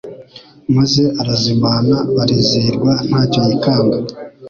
maze arazimana barizihirwa ntacyo yikanga.